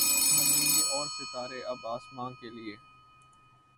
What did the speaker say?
بنیں گے اور ستارے اب آسماں کے لیے